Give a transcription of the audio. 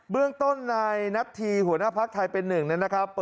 เรื่องต้นนายนัทธีหัวหน้าภักดิ์ไทยเป็นหนึ่งนะครับ